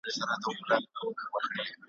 موږ پوهیږو چي پر تاسي څه تیریږي `